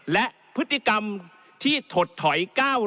และพฤติกรรมที่ถดถอย๙